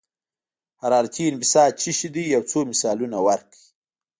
حرارتي انبساط څه شی دی او څو مثالونه ورکړئ.